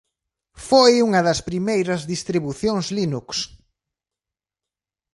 Foi unha das primeiras distribucións Linux.